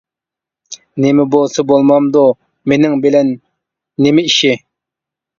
-نېمە بولسا بولمامدۇ، مېنىڭ بىلەن نېمە ئىشى.